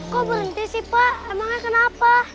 kok berhenti sih pak emangnya kenapa